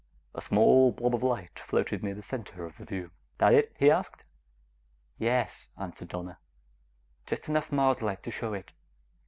A small blob of light floated near the center of the view. "That it?" he asked. "Yes," answered Donna. "Just enough Mars light to show it."